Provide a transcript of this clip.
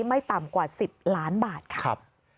ไม่ต่ำกว่า๑๐ล้านบาทค่ะ